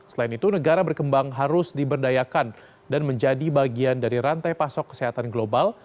selain itu negara berkembang harus diberdayakan dan menjadi bagian dari rantai pasok kesehatan global